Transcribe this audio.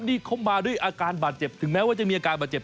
นี่เขามาด้วยอาการบาดเจ็บถึงแม้ว่าจะมีอาการบาดเจ็บ